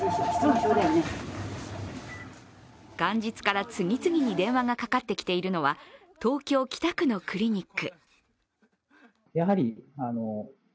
元日から次々に電話がかかってきているのは東京・北区のクリニック。